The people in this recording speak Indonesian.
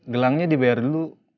gelangnya dibayar dulu